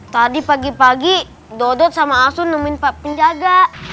tadi pagi pagi dudut sama asun nemuin pak penjaga